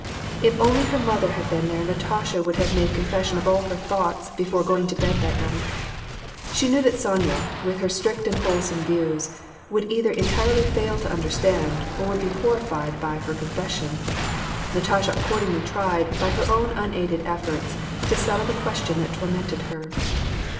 If only her mother had been there Natasha would have made confession of all her thoughts, before going to bed that night. She knew that Sonya, with her strict and wholesome views, would either entirely fail to understand, or would be horrified by, her confession. Natasha accordingly tried, by her own unaided efforts, to settle the question that tormented her.